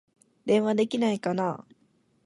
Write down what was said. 電話できないかな